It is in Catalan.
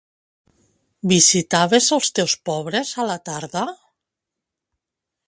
Visitaves els teus pobres a la tarda?